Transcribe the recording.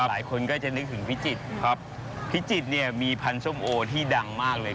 หลายคนก็จะนึกถึงพิจิตย์พิจิตย์มีพันธุ์ทรงโอที่ดังมากเลย